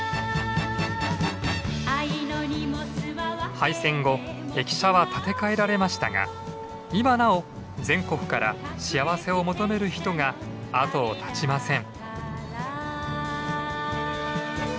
廃線後駅舎は建て替えられましたが今なお全国から幸せを求める人が後を絶ちません。